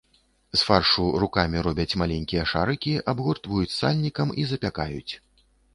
З фаршу рукамі робяць маленькія шарыкі, абгортваюць сальнікам і запякаюць.